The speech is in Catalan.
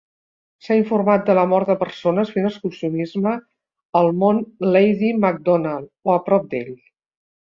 S'ha informat de la mort de persones fent excursionisme al mont Lady Macdonald o a prop d'ell.